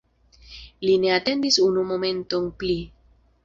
Li ne atendis unu momenton pli.